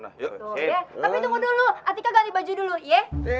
tapi tunggu dulu atika ganti baju dulu ye